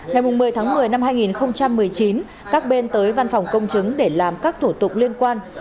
ngày một mươi tháng một mươi năm hai nghìn một mươi chín các bên tới văn phòng công chứng để làm các thủ tục liên quan